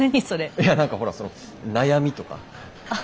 いや何かその悩みとか。